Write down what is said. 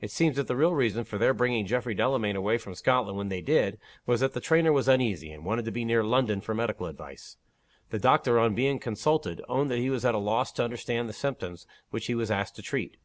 It seems that the real reason for their bringing Geof frey Delamayn away from Scotland when they did, was that the trainer was uneasy, and wanted to be near London for medical advice. The doctor, on being consulted, owned that he was at a loss to understand the symptoms which he was asked to treat.